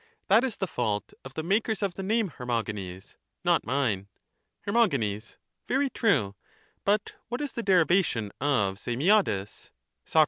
That is the fault of the makers of the name, Hermo genes ; not mine. Her. Very true ; but what is the derivation of i;T]fuu)(ieg? Soc.